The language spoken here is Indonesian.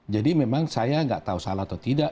jadi memang saya tidak tahu salah atau tidak